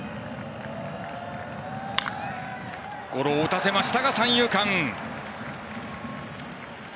ゴロを打たせましたが三遊間。